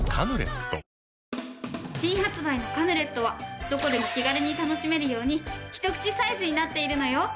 新発売のカヌレットはどこでも気軽に楽しめるようにひと口サイズになっているのよ。